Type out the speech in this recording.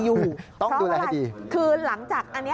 ก็คือหลังจากอันนี้